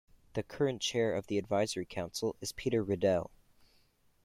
The current Chair of the Advisory Council is Peter Riddell.